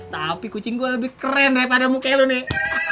tapi kucing gue lebih keren daripada muka lo nih